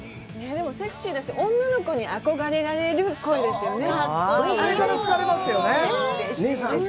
でも、セクシーだし、女の子に憧れられる声ですよね。